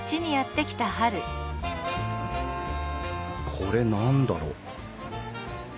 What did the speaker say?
これ何だろう？